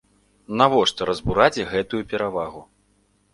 Навошта разбураць гэтую перавагу?